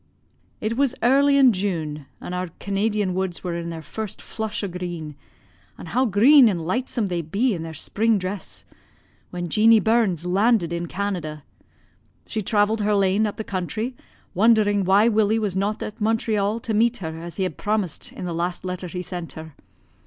"It was early in June, and our Canadian woods were in their first flush o' green an' how green an' lightsome they be in their spring dress when Jeanie Burns landed in Canada. She travelled her lane up the country, wondering why Willie was not at Montreal to meet her as he had promised in the last letter he sent her.